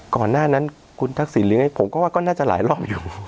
ก่อนหน้านั้นคุณทักษิณเลี้ยงให้ผมก็ว่าก็น่าจะหลายรอบอยู่